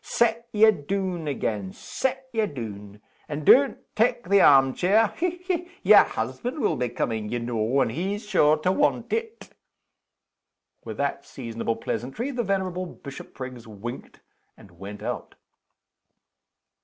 Set ye doon again set ye doon. And don't tak' the arm chair. Hech! hech! yer husband will be coming, ye know, and he's sure to want it!" With that seasonable pleasantry the venerable Bishopriggs winked, and went out.